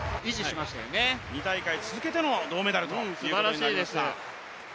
２大会続けての銅メダルということになりました。